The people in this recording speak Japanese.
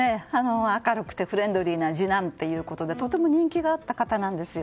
明るくてフレンドリーな次男でとても人気があった方なんです。